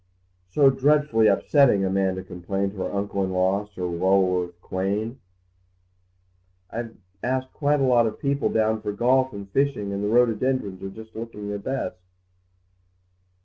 "So dreadfully upsetting," Amanda complained to her uncle in law, Sir Lulworth Quayne. "I've asked quite a lot of people down for golf and fishing, and the rhododendrons are just looking their best."